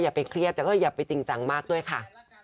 ไปเครียดแต่ก็อย่าไปจริงจังมากด้วยค่ะ